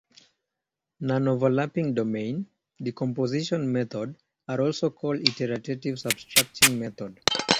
Non-overlapping domain decomposition methods are also called iterative substructuring methods.